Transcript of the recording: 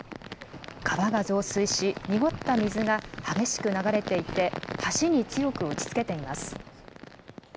川が増水し、濁った水が激しく流れていて、橋に強く打ちつけています。